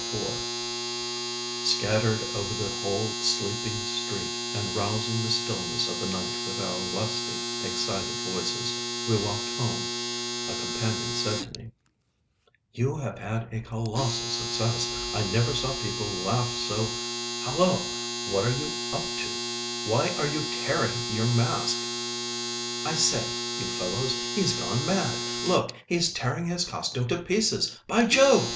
IV Scattered over the whole sleeping street and rousing the stillness of the night with our lusty, excited voices, we walked home. A companion said to me: "You have had a colossal success. I never saw people laugh so—— Halloa! what are you up to? Why are you tearing your mask? I say, you fellows, he's gone mad! Look, he's tearing his costume to pieces! By Jove!